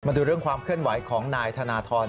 ดูเรื่องความเคลื่อนไหวของนายธนทร